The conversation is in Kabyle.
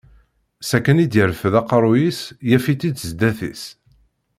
S akken i d-yerfed aqerruy-is yaf-itt-id sdat-s.